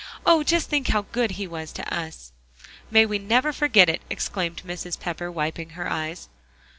"Oh! just think how good he was to us." "May we never forget it!" exclaimed Mrs. Pepper, wiping her eyes.